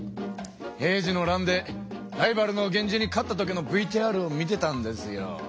平治の乱でライバルの源氏に勝ったときのＶＴＲを見てたんですよ。